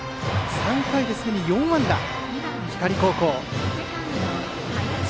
３回で、すでに４安打の光高校。